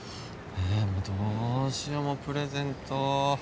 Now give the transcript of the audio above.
ええもうどうしようプレゼント。